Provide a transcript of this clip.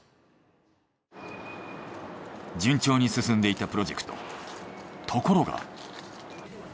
順調に進んでいたプロジェクトところが！